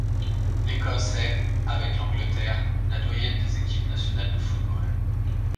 L'Écosse est, avec l'Angleterre, la doyenne des équipes nationales de football.